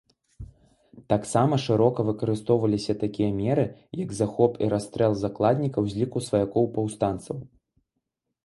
Таксама шырока выкарыстоўваліся такія меры, як захоп і расстрэл закладнікаў з ліку сваякоў паўстанцаў.